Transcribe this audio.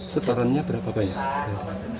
setorannya berapa banyak